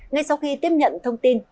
ngay sau khi tiếp nhận thông tin